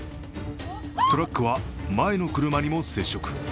トラックは前の車にも接触。